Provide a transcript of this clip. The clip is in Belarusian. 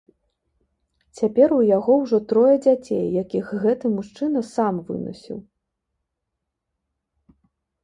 Цяпер у яго ўжо трое дзяцей, якіх гэты мужчына сам вынасіў.